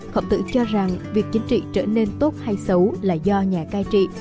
khổng tử cho rằng việc chính trị trở nên tốt hay xấu là do nhà cai trị